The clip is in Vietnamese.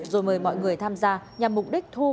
rồi mời mọi người tham gia nhằm mục đích thu